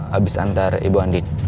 habis antar ibu andin